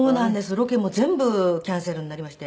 ロケも全部キャンセルになりまして。